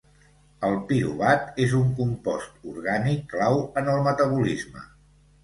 El piruvat és un compost orgànic clau en el metabolisme.